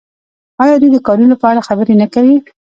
آیا دوی د کانونو په اړه خبرې نه کوي؟